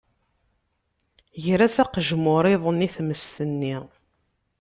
Ger-as aqejmur-iḍen i tmes-nni.